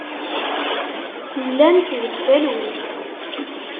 Llant deg talwit.